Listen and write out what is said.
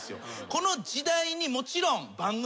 この時代にもちろん。